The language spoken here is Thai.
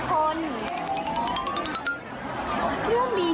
สุดท้ายสุดท้าย